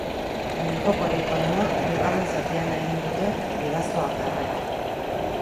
Baina jokorik onena, bigarren zatian egin dute bidasoatarrek.